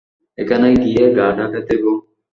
এখানে গিয়ে গা ঢাকা দেবো।